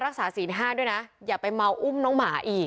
คือตอนนั้นหมากกว่าอะไรอย่างเงี้ย